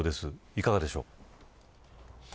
いかがでしょう。